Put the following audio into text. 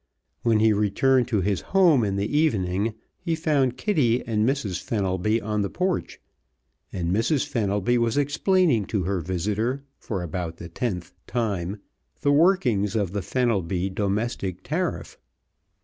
When he returned to his home in the evening he found Kitty and Mrs. Fenelby on the porch, and Mrs. Fenelby was explaining to her visitor, for about the tenth time, the workings of the Fenelby Domestic Tariff.